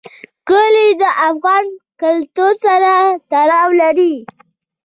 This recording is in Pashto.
کلي د افغان کلتور سره تړاو لري.